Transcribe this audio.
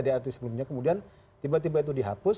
di arti sebelumnya kemudian tiba tiba itu dihapus